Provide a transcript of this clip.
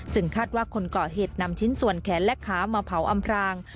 ซึ่งคาดว่าคนก่อเหตุนำชิ้นส่วนแขนและขามาเผาอำพราง